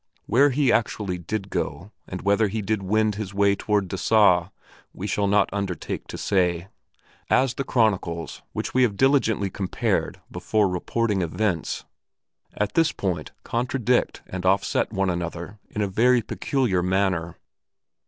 Where he actually did go and whether he did wend his way toward Dessau, we shall not undertake to say, as the chronicles which we have diligently compared before reporting events at this point contradict and offset one another in a very peculiar manner.